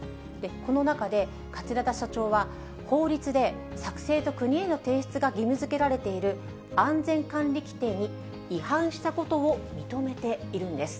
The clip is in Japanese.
この中で、桂田社長は、法律で作成と国への提出が義務づけられている安全管理規程に違反したことを認めているんです。